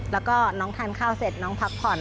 แล้วก็น้องทานข้าวเสร็จน้องพักผ่อน